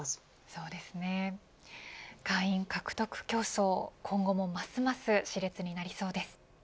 そうですね、会員獲得競争今後もますますし烈になりそうです。